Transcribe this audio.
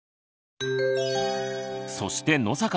そして野坂さん